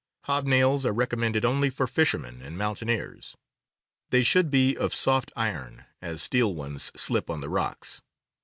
Hob nails are recommended only for fishermen and mountaineers. They should be of soft iron, as steel ones slip on the rocks.